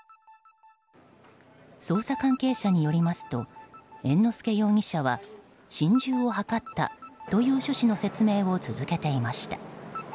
捜査関係者によりますと猿之助容疑者は心中を図ったという趣旨の説明を続けていました。